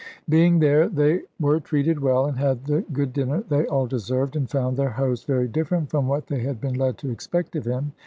Being there, they were treated well, and had the good dinner they all deserved, and found their host very different from what they had been led to expect of him.